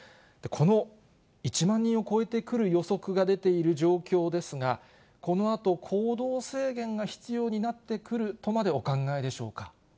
この１万人を超えてくる予測が出ている状況ですが、このあと、行動制限が必要になってくるとまでお考えでしょうか。